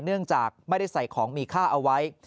เนื่องจากไม่ได้ใส่ของมีค่าเอาไว้